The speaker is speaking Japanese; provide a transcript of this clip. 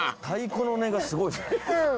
太鼓の音がすごいです。